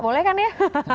boleh kan ya